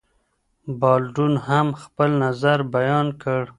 بالډون هم خپل نظر بیان کړ.